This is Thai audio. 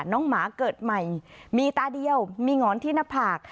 หมาเกิดใหม่มีตาเดียวมีหงอนที่หน้าผาก